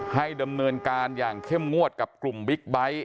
ให้ดำเนินการอย่างเข้มงวดกับกลุ่มบิ๊กไบท์